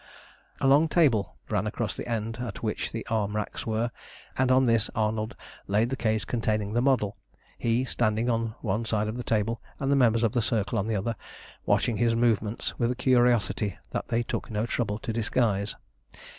A long table ran across the end at which the arm racks were, and on this Arnold laid the case containing the model, he standing on one side of the table, and the members of the Circle on the other, watching his movements with a curiosity that they took no trouble to disguise.